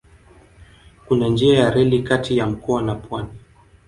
Kuna njia ya reli kati ya mkoa na pwani.